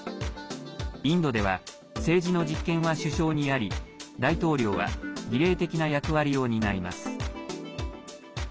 インドでは政治の実権は首相にあり大統領は儀礼的な役割を担います。